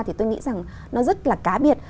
thì tôi nghĩ rằng nó rất là cá biệt